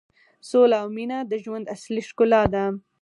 سوله او مینه د ژوند اصلي ښکلا ده.